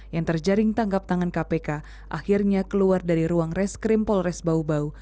yang terjaring tangkap tangan kpk akhirnya keluar dari ruang reskrim polres bau bau